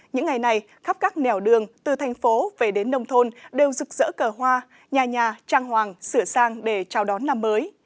những ngày này khắp các nẻo đường từ thành phố về đến nông thôn đều rực rỡ cờ hoa nhà nhà trang hoàng sửa sang để chào đón năm mới